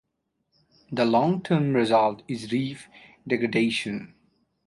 The long term result is reef degradation.